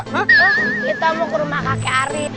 kita mau ke rumah kakek ari